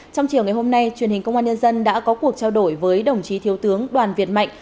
trong chiều ngày hôm nay truyền hình công an nhân dân đã có cuộc trao đổi với đồng chí thiếu tướng đoàn việt mạnh